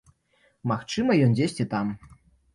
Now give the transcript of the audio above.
Магчыма, ён дзесьці там.